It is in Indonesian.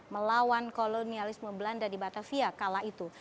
melawan kolonialisme belanda di batavia kala itu